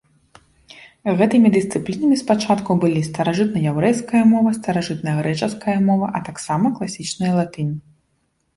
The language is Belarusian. Гэтымі дысцыплінамі спачатку былі старажытнаяўрэйская мова, старажытнагрэчаская мова, а таксама класічная латынь.